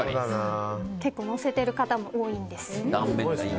結構、載せている方も多いです。